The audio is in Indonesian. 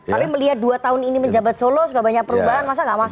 tapi melihat dua tahun ini menjabat solo sudah banyak perubahan masa nggak masuk